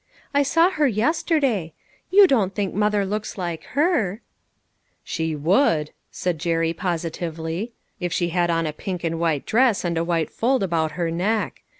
I saw her yesterday. You don't think mother looks like her !"" She would," said Jerry, positively, " if she had on a pink and white dress and a white fold about her neck.